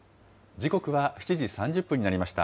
時刻は７時３０分になりました。